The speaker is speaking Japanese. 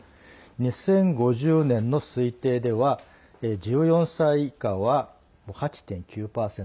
２０５０年の推定では１４歳以下は、８．９％。